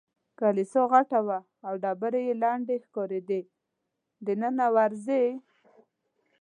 کلیسا غټه وه او ډبرې یې لندې ښکارېدې، دننه ورځې؟